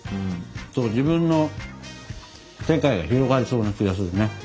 自分の世界が広がりそうな気がするね。